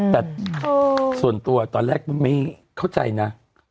แต่ส่วนตัวตอนแรกไม่เข้าใจนะ